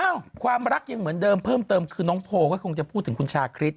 ความรักยังเหมือนเดิมเพิ่มเติมคือน้องโพลก็คงจะพูดถึงคุณชาคริส